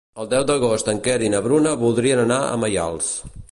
El deu d'agost en Quer i na Bruna voldrien anar a Maials.